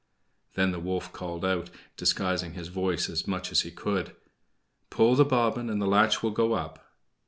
Then the wolf called out, disguising his voice as much as he could: "Pull the bobbin and the latch will go up."